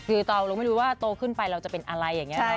คือเราไม่รู้ว่าโตขึ้นไปเราจะเป็นอะไรอย่างนี้